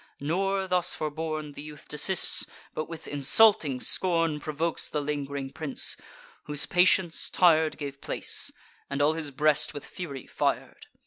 Nor, thus forborne, The youth desists, but with insulting scorn Provokes the ling'ring prince, whose patience, tir'd, Gave place; and all his breast with fury fir'd.